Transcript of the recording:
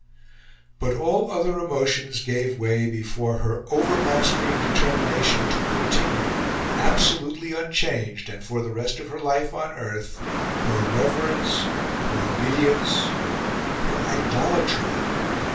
But all other emotions gave way before her overmastering determination to continue, absolutely unchanged, and for the rest of her life on earth, her reverence, her obedience, her idolatry.